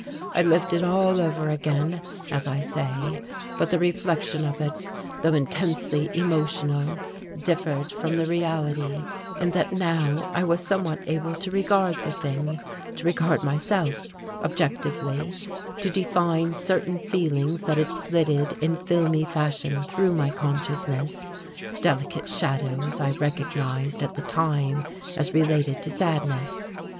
I lived it all over again, as I say, but the reflection of it, though intensely emotional, differed from the reality in that now I was somewhat able to regard the thing, to regard myself, objectively; to define certain feelings that had flitted in filmy fashion through my consciousness, delicate shadows I recognized at the time as related to sadness.